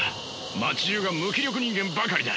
街じゅうが無気力人間ばかりだ。